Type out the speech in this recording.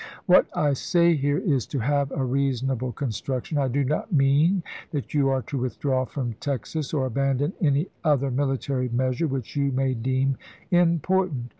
What I say here is to have a reasonable construction. I do not mean that you are to withdraw from Texas, or abandon any other military measure which you may deem important.